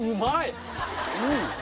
うん！